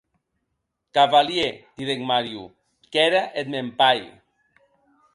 Cavalièr, didec Mario, qu’ère eth mèn pair.